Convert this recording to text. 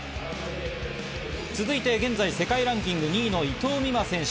続いて現在世界ランキング２位の伊藤美誠選手。